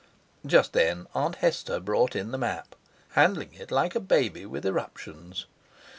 Just then Aunt Hester brought in the map, handling it like a baby with eruptions.